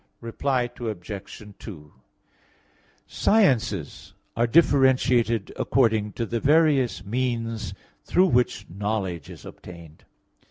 Reply Obj. 2: Sciences are differentiated according to the various means through which knowledge is obtained.